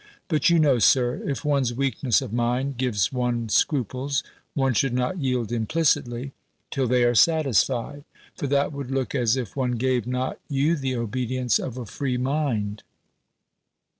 But you know, Sir, if one's weakness of mind gives one scruples, one should not yield implicitly, till they are satisfied; for that would look as if one gave not you the obedience of a free mind."